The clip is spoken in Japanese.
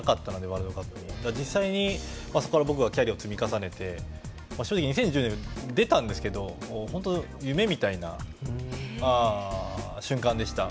それから実際に僕はそこからキャリアを積み重ねて正直２０１０年出たんですけど夢みたいな瞬間でした。